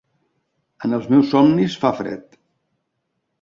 En els meus somnis fa fred.